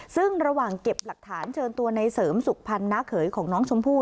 ซึ่งระหว่างเก็บหลักฐานเชิญตัวในเสริมสุขพันธ์น้าเขยของน้องชมพู่